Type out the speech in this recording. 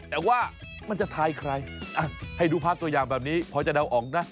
แต่ว่ามันจะทายใครให้ดูภาพตัวอย่างแบบนี้พอจะเดาออกนะ